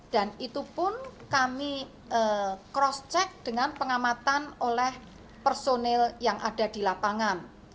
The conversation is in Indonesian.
dan itu pun kami cross check dengan pengamatan oleh personil yang ada di lapangan